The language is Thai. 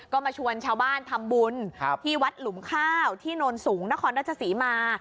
ก็มาชวนชาวบ้านทำบุญที่วัดหลุมข้าวที่โนนสูงนครราชศรีมา